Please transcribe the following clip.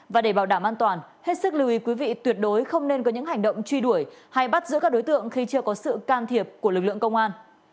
và để bảo đảm an toàn hết sức lưu ý quý vị tuyệt đối không nên có những hành động truy đuổi hay bắt giữ các đối tượng khi chưa có sự can thiệp của lực lượng công an